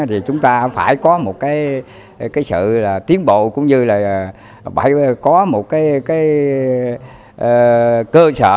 thì chúng ta phải có một sự tiến bộ cũng như là phải có một cơ sở